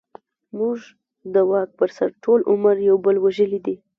موږ د واک پر سر ټول عمر يو بل وژلې دي.